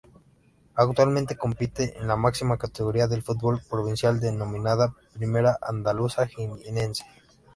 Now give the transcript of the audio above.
Actualmente compite en la máxima categoría del fútbol provincial denominada Primera Andaluza Jienense.